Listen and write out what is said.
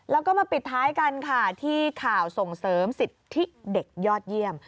แล้วก็มาปิดท้ายกันค่ะที่ข่าวส่งเสริมสิทธิเด็กยอดเยี่ยม